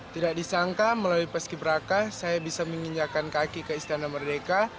tidak disangka melalui paski beraka saya bisa menginjakan kaki ke istana merdeka